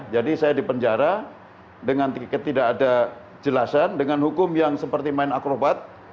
jadi saya di penjara dengan tidak ada jelasan dengan hukum yang seperti main akrobat